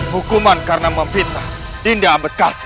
hukuman karena meminta dinda ambekasi